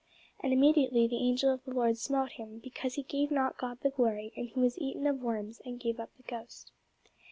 And immediately the angel of the Lord smote him, because he gave not God the glory: and he was eaten of worms, and gave up the ghost.